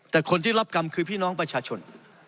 แต่คนที่รับกรรมคือพี่น้องประชาชน